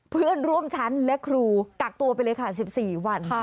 เพื่อนร่วมชั้นและครูกักตัวไปเลยค่ะ๑๔วัน